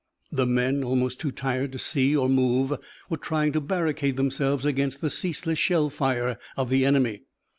The men, almost too tired to see or move, were trying to barricade themselves against the ceaseless shell fire of the enemy.